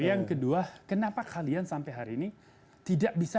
yang kedua kenapa kalian sampai hari ini tidak bisa